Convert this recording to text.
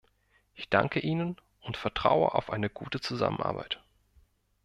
Ich danke Ihnen und vertraue auf eine gute Zusammenarbeit.